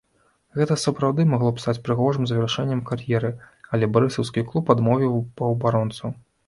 Гэта сапраўды магло б стаць прыгожым завяршэннем кар'еры, але барысаўскі клуб адмовіў паўабаронцу.